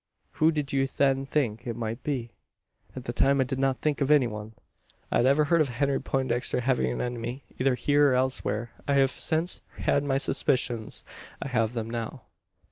"Who did you then think it might be?" "At the time I did not think of any one. I had never heard of Henry Poindexter having an enemy either here or elsewhere. I have since had my suspicions. I have them now."